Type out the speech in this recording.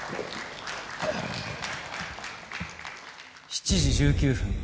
７時１９分。